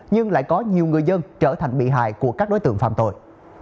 nhưng lại có nhiều người dân trở thành bị hại của các đối tượng phạm tội